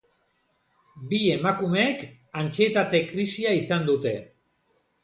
Bi emakumeek antsietate krisia izan dute.